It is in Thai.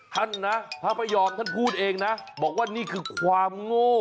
ท่านนะพระพยอมท่านพูดเองนะบอกว่านี่คือความโง่